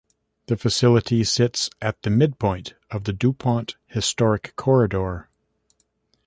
The facility sits at the midpoint of the DuPont Historic Corridor.